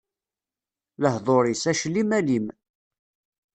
Lehdur-is, aclim alim.